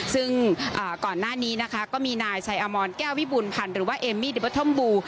ซึ่งก่อนหน้านี้นะคะก็มีนายชัยอมรแก้ววิบูรพันธ์หรือว่าเอมมี่ดิเบอร์ธอมบู